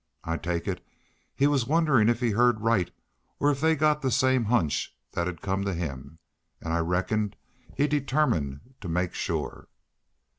I take it he was wonderin' if he'd heerd right or if they'd got the same hunch thet 'd come to him. An' I reckon he determined to make sure.